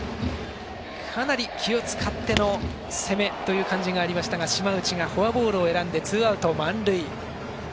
かなり気を使っての攻めという感じがありましたが島内がフォアボールを選んでツーアウト、満塁。